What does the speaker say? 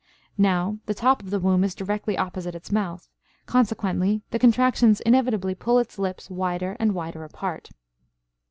Now, the top of the womb is directly opposite its mouth, consequently the contractions inevitably pull its lips wider and wider apart.